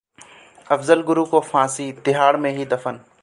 अफजल गुरु को फांसी, तिहाड़ में ही दफन